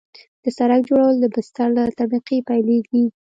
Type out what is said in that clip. د سرک جوړول د بستر له طبقې پیلیږي